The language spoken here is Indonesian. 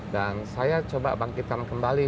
dan saya coba bangkitkan kembali